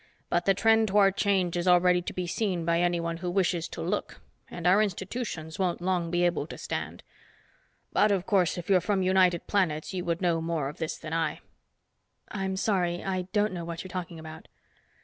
But the trend toward change is already to be seen by anyone who wishes to look, and our institutions won't long be able to stand. But, of course, if you're from United Planets you would know more of this than I." "I'm sorry. I don't know what you're talking about."